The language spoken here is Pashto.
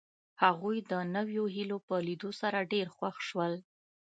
هغوی د نویو هیلو په لیدو سره ډېر خوښ شول